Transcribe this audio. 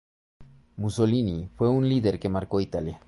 Mussolini fue un líder que marcó Italia.